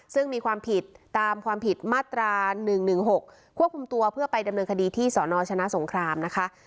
ซึ่งมีความผิดตามความผิดมาตรา๑๑๖ควบคุมตัวเพื่อไปดำเนินคดีที่สนชนะสงครามนะคะ